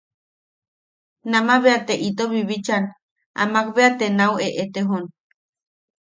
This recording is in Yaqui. Nama bea te ito bibichan, Amak bea te nau eʼetejon.